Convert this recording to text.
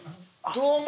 どうも。